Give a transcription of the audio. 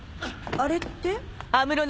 あれって？